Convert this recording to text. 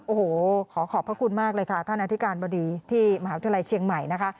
โอ้โหขอขอบพระคุณมากเลยค่ะท่านอธิการบดีที่มหาวิทยาลัยเชียงใหม่นะคะ